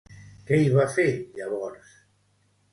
Què hi va fer, llavors?